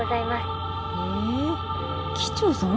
へえ機長さん